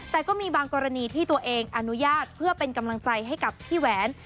แต่ก็มีบางกรณีที่ตัวเองอนุญาตเพื่อเป็นกำลังใจให้กับพี่แหวน